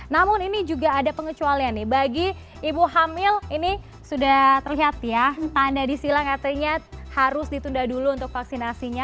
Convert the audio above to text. namun ini juga ada pengecualian nih bagi ibu hamil ini sudah terlihat ya tanda disilang artinya harus ditunda dulu untuk vaksinasinya